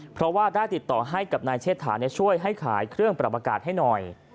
เพราะว่าได้ติดต่อให้กับนายเชษฐาช่วยให้ขายเครื่องปรับอากาศให้หน่อย